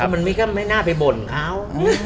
มันก็ไม่น่าไปบ่นเขา